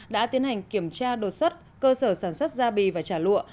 đã tiến hành kiểm tra đột xuất cơ sở sản xuất da bì và chả lụa